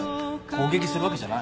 攻撃するわけじゃない。